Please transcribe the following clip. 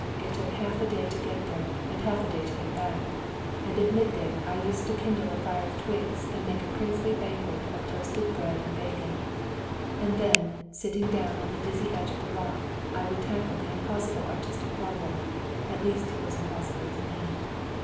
It took half a day to get there and half a day to get back, and at midday I used to kindle a fire of twigs and make a princely banquet of toasted bread and bacon; and then, sitting down on the dizzy edge of the rock, I would tackle the impossible artistic problem at least it was impossible to me.